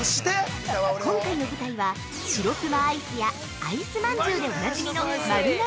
◆今回の舞台は「白くまアイス」や「あいすまんじゅう」でおなじみの丸永